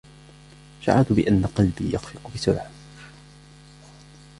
شعرت بأن قلبي يخفق بسرعة.